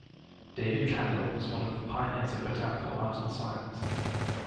David Kandel was one of the pioneers of botanical art and science.